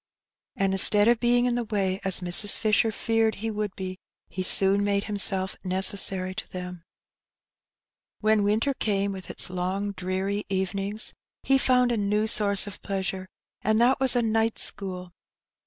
^^ And instead of being in the way, as Mrs. Fisher feared he would be, he soon made him self necessary to them. When winter came, with its long dreary evenings, he found a new source of pleasure, and that was a night school.